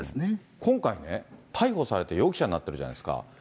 今回ね、逮捕されて容疑者になってるじゃないですか。